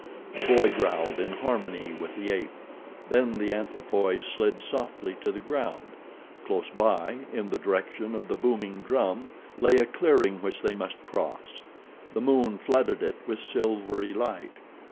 The boy growled in harmony with the ape. Then the anthropoid slid softly to the ground. Close by, in the direction of the booming drum, lay a clearing which they must cross. The moon flooded it with silvery light.